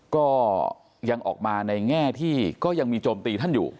ก็ยังออกมาในแง่ที่ก็ยังมีโจมตีท่านอยู่